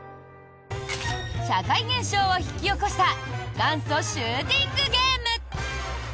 社会現象を引き起こした元祖シューティングゲーム！